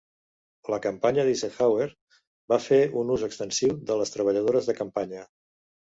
La campanya d'Eisenhower va fer un ús extensiu de les treballadores de campanya.